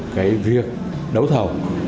cái việc đấu thầu